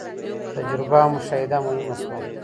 تجربه او مشاهده مهمه سوه.